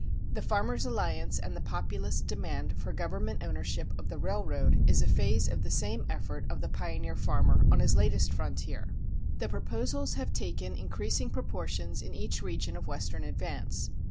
The Farmers' Alliance and the Populist demand for government ownership of the railroad is a phase of the same effort of the pioneer farmer, on his latest frontier. The proposals have taken increasing proportions in each region of Western Advance.